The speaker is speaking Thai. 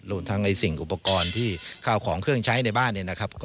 รวมทั้งสิ่งอุปกรณ์ที่ข้าวของเครื่องใช้ในบ้านเนี่ยนะครับ